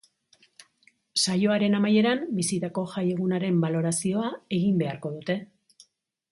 Saioaren amaieran, bizitako jai egunaren balorazioa egin beharko dute.